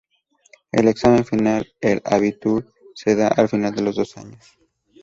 El examen final, el "Abitur", se da al final de los dos años.